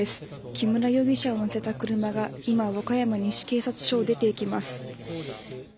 木村容疑者を乗せた車が今和歌山西警察署を出て行きます。